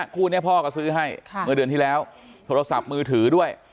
คู่นี้พ่อก็ซื้อให้เมื่อเดือนที่แล้วโทรศัพท์มือถือด้วย